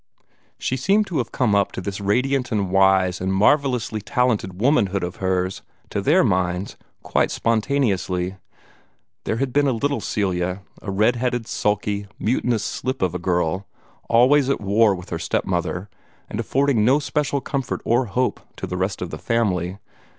She seemed to have come up to this radiant and wise and marvellously talented womanhood of hers, to their minds, quite spontaneously. There had been a little Celia a red headed, sulky, mutinous slip of a girl, always at war with her step mother, and affording no special comfort or hope to the rest of the family.